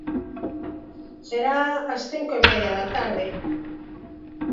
Será ás cinco e media da tarde.